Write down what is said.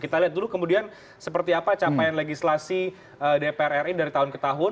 kita lihat dulu kemudian seperti apa capaian legislasi dpr ri dari tahun ke tahun